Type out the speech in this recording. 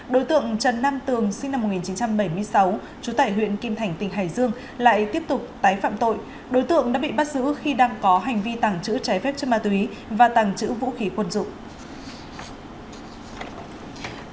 đối tượng trần nam tường sinh năm một nghìn chín trăm bảy mươi sáu trú tải huyện kim thành tỉnh hải dương lại tiếp tục tái phạm tội đối tượng đã bị bắt giữ khi đang có hành vi tàng trữ trái phép chất ma túy và tàng trữ vũ khí quân dụng